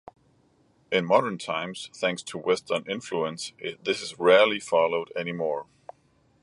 In modern times, thanks to Western influence, this is rarely followed any more.